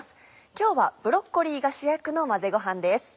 今日はブロッコリーが主役の混ぜごはんです。